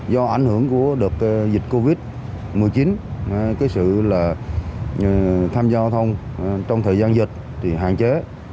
do ảnh hưởng của dịch covid một mươi chín sự tham gia hòa thông trong thời gian dịch hạn chế